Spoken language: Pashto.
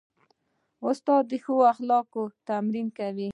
استاد د ښو اخلاقو تمرین کوي.